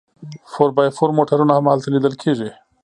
فور بای فور موټرونه هم هلته لیدل کیږي